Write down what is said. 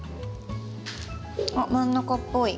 あっ真ん中っぽい。